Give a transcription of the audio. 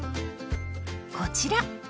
こちら！